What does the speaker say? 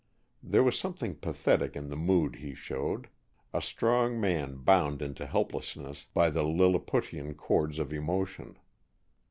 There was something pathetic in the mood he showed, a strong man bound into helplessness by the Liliputian cords of emotion.